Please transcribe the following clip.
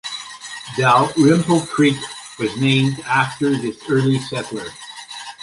Dalrymple Creek was named after this early settler.